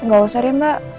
gak usah ya mbak